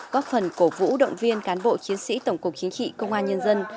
góp phần cổ vũ động viên cán bộ chiến sĩ tổng cục chính trị công an nhân dân